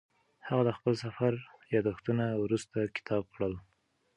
هغه د خپل سفر یادښتونه وروسته کتاب کړل.